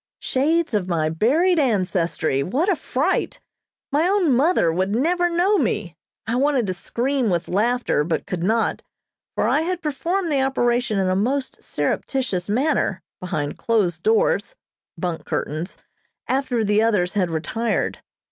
Shades of my buried ancestry! What a fright! My own mother would never know me. I wanted to scream with laughter, but could not, for I had performed the operation in a most surreptitious manner, behind closed doors (bunk curtains), after the others had retired.